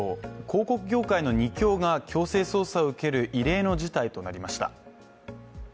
広告業界の二強が強制捜査を受ける異例の事態となりました。